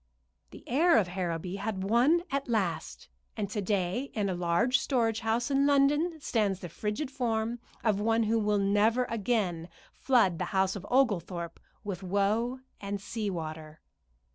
The heir of Harrowby had won at last, and to day in a large storage house in London stands the frigid form of one who will never again flood the house of Oglethorpe with woe and sea water.